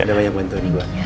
oke ada banyak bantuan gue